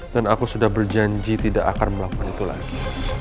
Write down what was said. dan aku sudah berjanji tidak akan melakukan itu lagi